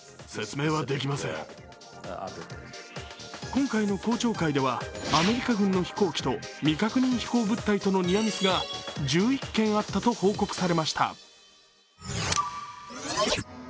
今回の公聴会では、アメリカ軍の飛行機と未確認飛行物体とのニアミスが１１件あったと報告されました。